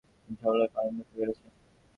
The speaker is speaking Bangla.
তিনি সফলভাবে পালন করতে পেরেছেন।